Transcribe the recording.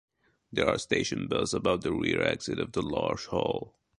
There are station bells above the rear exit of the large hall.